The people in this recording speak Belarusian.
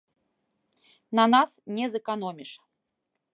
На нас не зэканоміш.